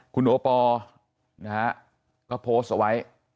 คุณโอปอล์นะฮะก็โพสต์เอาไว้